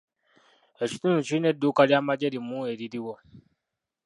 Ekitundu kirina edduuka ly'amagye limu eririwo.